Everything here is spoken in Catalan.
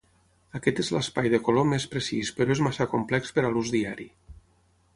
Aquest és l'espai de color més precís però és massa complex per a l'ús diari.